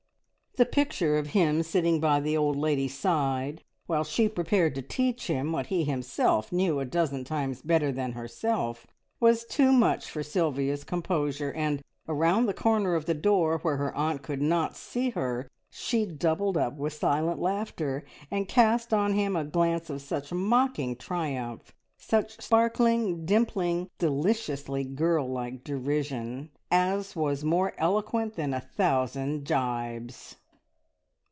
The picture of him sitting by the old lady's side, while she prepared to teach him what he himself knew a dozen times better than herself, was too much for Sylvia's composure, and around the corner of the door, where her aunt could not see her, she doubled up with silent laughter and cast on him a glance of such mocking triumph, such sparkling, dimpling, deliciously girl like derision, as was more eloquent than a thousand gibes.